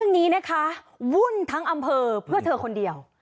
เรื่องนี้นะคะวุ่นทั้งอำเภอเพื่อเธอคนเดียว